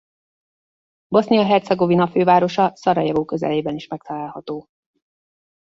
Bosznia-Hercegovina fővárosa szarajevó közelében is megtalálható.